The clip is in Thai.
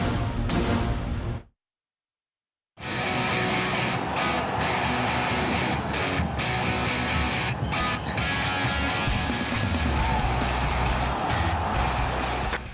สวัสดีครับ